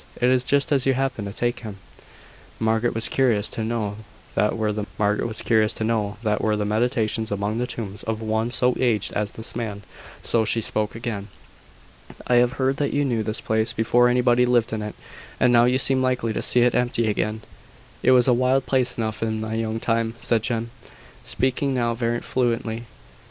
It is just as you happen to take him." Margaret was curious to know what were the meditations among the tombs of one so aged as this man: so she spoke again. "I have heard that you knew this place before anybody lived in it: and now you seem likely to see it empty again." "It was a wild place enough in my young time," said Jem, speaking now very fluently.